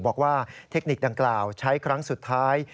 บอกว่าเทคนิคดังกล่าวใช้ครั้งสุดท้าย